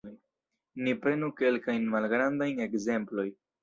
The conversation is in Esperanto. Ni prenu kelkajn malgrandajn ekzemplojn.